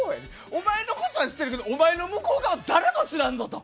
お前のことは知ってるけどお前の向こう側は誰も知らんぞと。